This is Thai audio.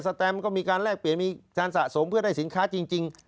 แตมก็มีการแลกเปลี่ยนมีการสะสมเพื่อได้สินค้าจริง